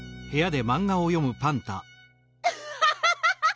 アハハハハ！